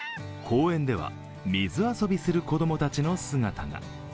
公園では、水遊びする子供たちの姿が。